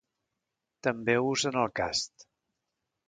També usen el cast.